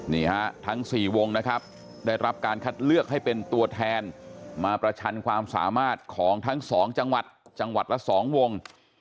นี่ฮะทั้ง๔วงนะครับได้รับการคัดเลือกให้เป็นตัวแทนมาประชันความสามารถของทั้งสองจังหวัดจังหวัดละ๒วง